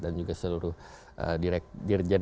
dan juga seluruh dirjen